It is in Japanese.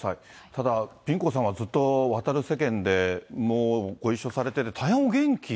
ただ、ピン子さんはずっと渡る世間でもうご一緒されてて大変お元気。